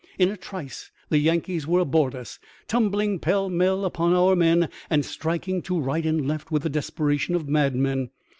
In a trice the Yankees were aboard us, tum bling pell mell upon our men, and striking to right and left with the desperation of madmen.